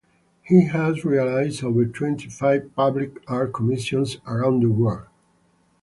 He has realized over twenty-five public art commissions around the world.